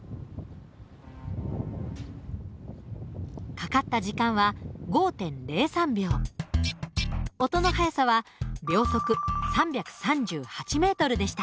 かかった時間は音の速さは秒速３３８ｍでした。